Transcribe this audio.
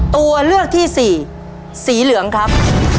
ตัวเลือกที่สี่สีเหลืองครับ